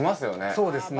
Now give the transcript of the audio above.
そうですね。